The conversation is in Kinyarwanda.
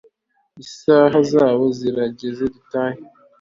isaa saba zirageze dutahe